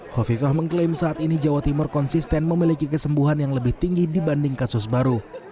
hovifah mengklaim saat ini jawa timur konsisten memiliki kesembuhan yang lebih tinggi dibanding kasus baru